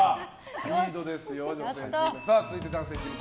リードですよ、女性チーム。